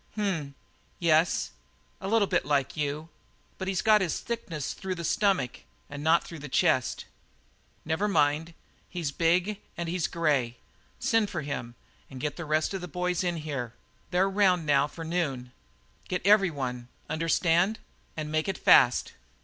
"Him? Yes; a little bit like you but he's got his thickness through the stomach and not through the chest." "Never mind. He's big, and he's grey. Send for him, and get the rest of the boys in here. They're around now for noon. Get every one. Understand? And make it fast."